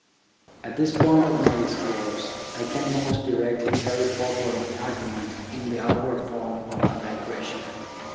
At this point of my discourse, I can most directly carry forward my argument in the outward form of a digression.